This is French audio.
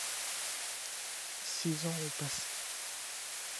Six ans ont passé.